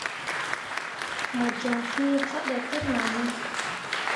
Mo joŋ fĩĩ faɗa tenahne.